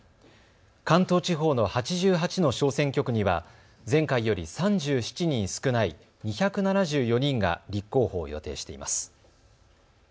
関東地方の８８の小選挙区には前回より３７人少ない２７４人が立候補を予定しています。